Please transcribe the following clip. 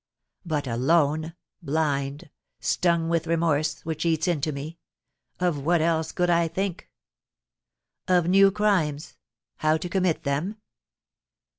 But alone, blind, stung with remorse, which eats into me, of what else could I think? Of new crimes, how to commit them?